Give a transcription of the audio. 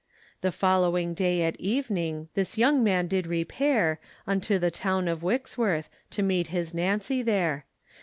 The following day at evening, This young man did repair, Unto the town of Wirksworth, To meet his Nancy there.